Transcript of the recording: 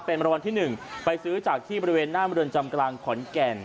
เป็นรางวัลที่๑ไปซื้อจากที่บริเวณหน้าเมืองจำกลางขอนแก่น